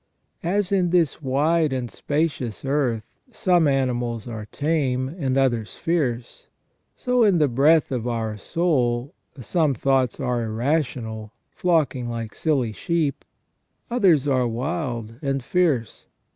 As in this wide and spacious earth some animals are tame and others fierce ; so in the breadth of our soul some thoughts are irrational, flocking like silly sheep, others are wild and fierce.